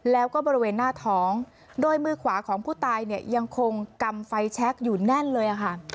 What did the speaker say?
แล้วก็บริเวณหน้าท้องโดยมือขวาของผู้ตายเนี่ยยังคงกำไฟแชคอยู่แน่นเลยค่ะ